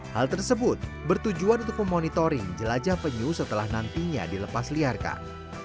hal tersebut bertujuan untuk memonitoring jelajah penyuh setelah nantinya dilepasliarkan